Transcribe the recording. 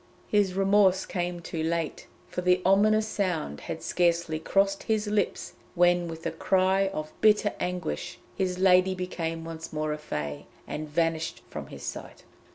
His remorse came too late, for the ominous sound had scarcely crossed his lips when with a cry of bitter anguish, his lady became once more a Fée, and vanished from his sight.